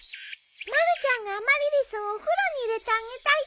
まるちゃんがアマリリスをお風呂に入れてあげたいって。